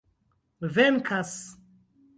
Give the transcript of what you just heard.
venkas